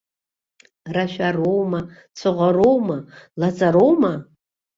Рашәароума, цәаӷәароума, лаҵароума?!